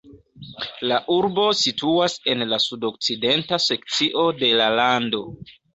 La urbo situas en la sudokcidenta sekcio de la lando.